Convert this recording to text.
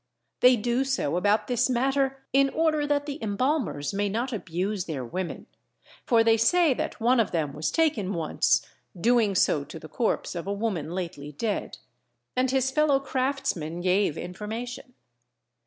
They do so about this matter in order that the embalmers may not abuse their women, for they say that one of them was taken once doing so to the corpse of a woman lately dead, and his fellow craftsman gave information.